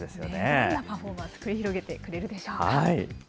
どんなパフォーマンスを繰り広げてくれるでしょうか。